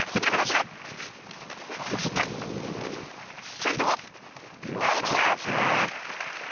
サイド、アウトだ！